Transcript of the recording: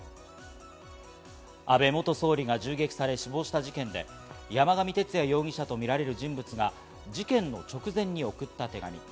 安倍元総理が銃撃され死亡した事件で、山上徹也容疑者とみられる人物が事件の直前に送った手紙。